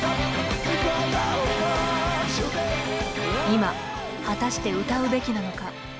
今果たして歌うべきなのか。